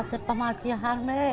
di rumah di rumah